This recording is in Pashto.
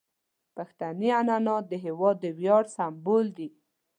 پښتني عنعنات د هیواد د ویاړ سمبول دي.